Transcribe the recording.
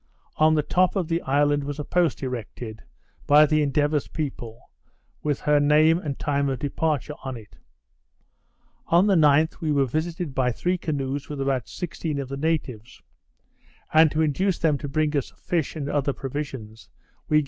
On the top of the island was a post erected, by the Endeavour's people, with her name and time of departure on it. On the 9th, we were visited by three canoes with about sixteen of the natives; and to induce them to bring us fish and other provisions, we gave them several things, with which they seemed highly pleased.